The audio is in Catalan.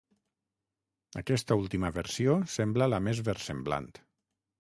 Aquesta última versió sembla la més versemblant.